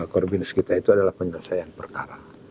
core bisnis kita itu adalah penyelesaian perkara